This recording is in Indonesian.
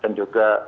dan juga makanan air